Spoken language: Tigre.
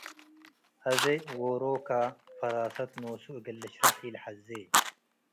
አዜ ዎሮከ ፈራሰት ኖሱ እግል ልሽረሕ ኢለሐዜ።